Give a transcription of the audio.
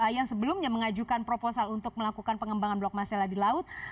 yang sebelumnya mengajukan proposal untuk melakukan pengembangan blok masela di laut